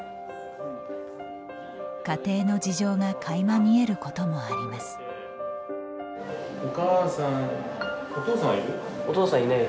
家庭の事情がかいま見えることもあります。